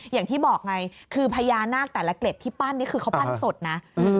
อย่างที่บอกไงคือพญานาคแต่ละเกล็ดที่ปั้นนี่คือเขาปั้นสดนะ